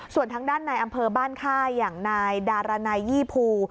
ส่วนทางด้านในอำเภอบ้านค่ายอย่างนายดารณัยยี่ภู